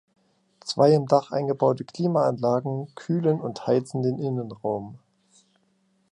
Zwei im Dach eingebaute Klimaanlagen kühlen und heizen den Innenraum.